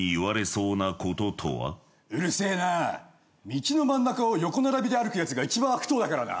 道の真ん中を横並びで歩くやつが一番悪党だからな。